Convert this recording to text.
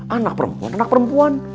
anak perempuan anak perempuan